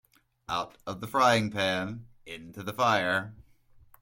Out of the frying pan into the fire.